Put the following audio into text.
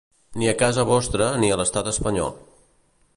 Ni a casa vostra, ni a l'Estat espanyol.